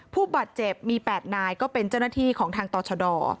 ผู้บาดเจ็บมี๘นายก็เป็นเจ้าหน้าที่ของทางต่อชด